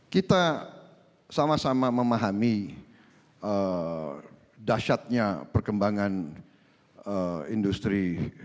kita sama sama memahami dasyatnya perkembangan industri